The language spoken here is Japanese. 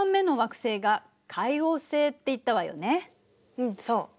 うんそう。